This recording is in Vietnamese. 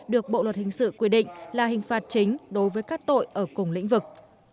được bộ luật hình sự quy định là hình phạt chính đối với các tội ở cùng lĩnh vực